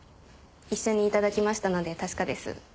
一緒に頂きましたので確かです。